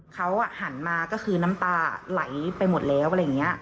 เขาหันมาก็คือน้ำตาไหลไปหมดแล้วอะไรอย่างนี้